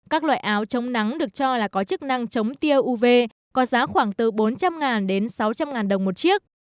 các loại áo chống nắng được cho là có chức năng chống tiêu uv có giá khoảng từ bốn trăm linh đến sáu trăm linh đồng một chiếc